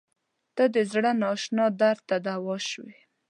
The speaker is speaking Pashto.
• ته د زړه نااشنا درد ته دوا شوې.